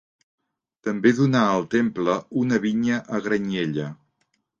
També donà al Temple una vinya a Granyena.